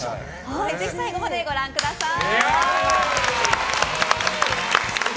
最後までご覧ください。